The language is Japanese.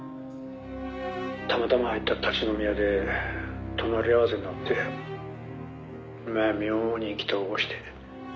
「たまたま入った立ち飲み屋で隣り合わせになってまあ妙に意気投合して」